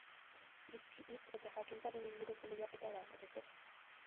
Hizki, hitz eta jakintzaren inguruko lehiaketa da, batez ere.